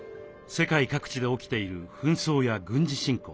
世界各地で起きている紛争や軍事侵攻。